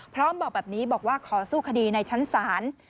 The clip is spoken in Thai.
บอกแบบนี้บอกว่าขอสู้คดีในชั้นศาล